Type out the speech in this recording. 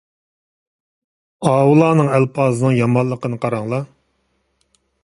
ماۋۇلارنىڭ ئەلپازىنىڭ يامانلىقىنى قاراڭلار.